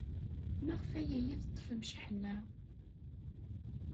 Maɣef ay iyi-teḍḍfem cceḥna?